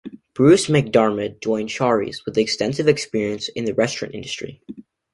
Bruce MacDiarmid joined Shari's with extensive experience in the restaurant industry.